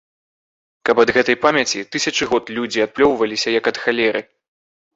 Каб ад гэтай памяці тысячы год людзі адплёўваліся, як ад халеры.